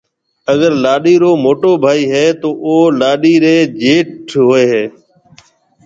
اگر لاڏيَ رو موٽو ڀائي هيَ تو او لاڏيِ ريَ جيٺ هوئي هيَ۔